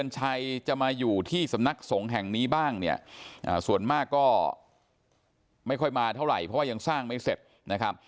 ส่วนมากก็ไม่ค่อยมาเท่าไหร่เพราะว่ายังสร้างไม่เสร็จนะครับ